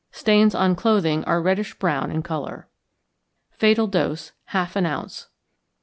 Stains on clothing are reddish brown in colour. Fatal Dose. Half an ounce.